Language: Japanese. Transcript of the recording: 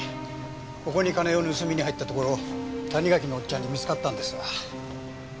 ここに金を盗みに入ったところ谷垣のおっちゃんに見つかったんですわ。